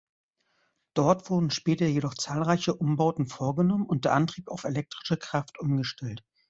Dort wurden später jedoch zahlreiche Umbauten vorgenommen und der Antrieb auf elektrische Kraft umgestellt.